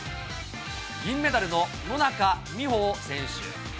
銀メダルの野中生萌選手。